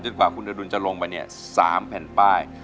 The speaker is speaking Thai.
กว่าคุณอดุลจะลงไปเนี่ย๓แผ่นป้าย